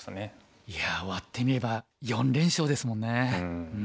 いや終わってみれば４連勝ですもんね。